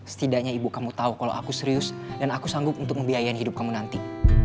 setidaknya ibu kamu tahu kalau aku serius dan aku sanggup untuk membiayai hidup kamu nanti